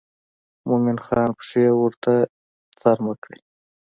مومن خان پښې ورته څرمه کړې.